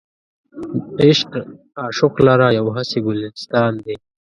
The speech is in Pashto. عشق عاشق لره یو هسې ګلستان دی.